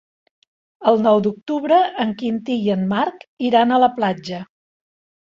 El nou d'octubre en Quintí i en Marc iran a la platja.